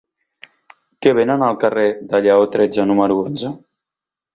Què venen al carrer de Lleó tretze número onze?